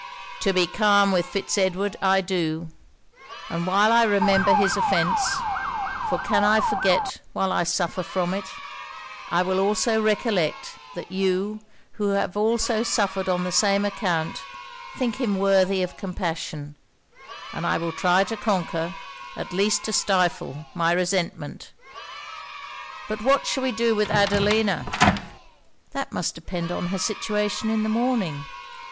'To be calm with Fitz Edward, I do. And while I remember his offence (for can I forget while I suffer from it) I will also recollect, that you, who have also suffered on the same account, think him worthy of compassion; and I will try to conquer, at least to stifle, my resentment. But what shall we do with Adelina?' 'That must depend on her situation in the morning.